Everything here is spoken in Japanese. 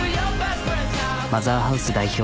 マザーハウス代表